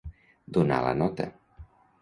Donar la nota.